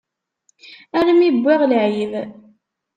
Armi wwiɣ lεib.